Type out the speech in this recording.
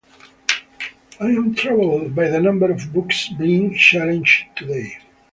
I am troubled by the number of books being challenged today.